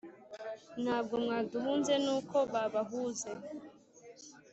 Ntabwo mwaduhunze N’uko babahuse!